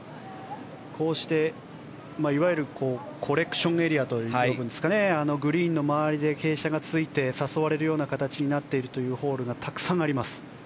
こうしていわゆるコレクションエリアといいますかグリーンの周りで傾斜がついて誘われるような形になっているホールがたくさんあります。